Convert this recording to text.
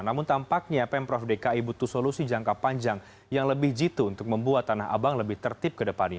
namun tampaknya pemprov dki butuh solusi jangka panjang yang lebih jitu untuk membuat tanah abang lebih tertib ke depannya